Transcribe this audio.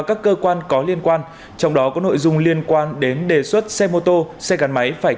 các cơ quan có liên quan trong đó có nội dung liên quan đến đề xuất xe mô tô xe gắn máy phải